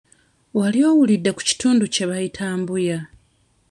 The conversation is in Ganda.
Wali owulidde ku kitundu kye bayita Mbuya?